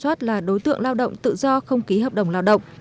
các gia soát là đối tượng lao động tự do không ký hợp đồng lao động